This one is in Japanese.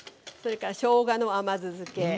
それからしょうがの甘酢漬け。